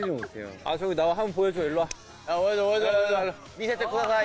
見せてください。